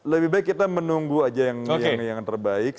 lebih baik kita menunggu aja yang terbaik